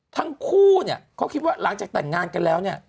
ทั้งคู่เขาคิดว่าหลังจากแต่งงานกันแล้ว